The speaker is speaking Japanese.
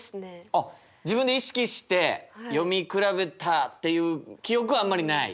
あっ自分で意識して読み比べたっていう記憶はあんまりない？